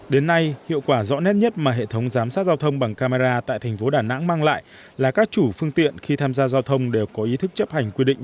đến nay hiệu quả rõ nét nhất mà hệ thống giám sát giao thông bằng camera tại thành phố đà nẵng mang lại là các chủ phương tiện khi tham gia giao thông đều có ý thức chấp hành quy định